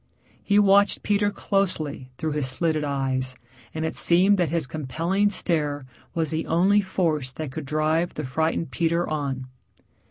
He watched Peter closely through his slitted eyes, and it seemed that his compelling stare was the only force that could drive the frightened Peter on.